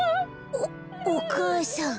おお母さん。